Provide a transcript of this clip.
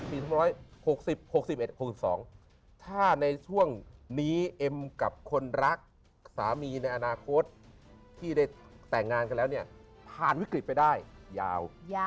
๖๐๖๑๖๒ถ้าในช่วงนี้เอ็มกับคนรักสามีในอนาคตที่ได้แต่งงานกันแล้วเนี่ยผ่านวิกฤตไปได้ยาว